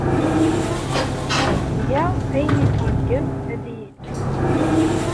Tga ayen ay tṛeggem ad iyi-t-teg.